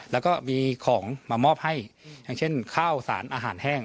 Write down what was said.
แล้วก็มีของมามอบให้อย่างเช่นข้าวสารอาหารแห้ง